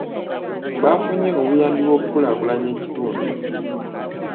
Baafunye obuyambi bw'okukulaakulanya ekitundu.